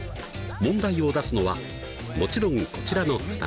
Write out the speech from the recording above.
問題を出すのはもちろんこちらの２人。